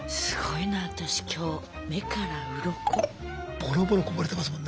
ボロボロこぼれてますもんね。